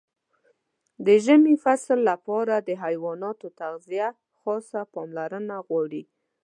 د ژمي فصل لپاره د حیواناتو تغذیه خاصه پاملرنه غواړي.